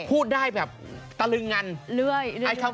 พูดได้แบบตะลึงกัน